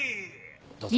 どうぞ。